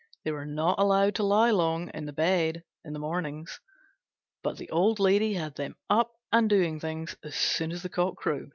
They were not allowed to lie long abed in the mornings, but the old lady had them up and doing as soon as the cock crew.